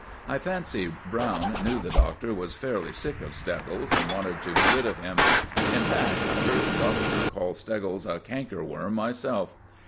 I fancy Browne knew the Doctor was fairly sick of Steggles and wanted to be rid of him. In fact, I heard the Doctor call Steggles a canker worm myself.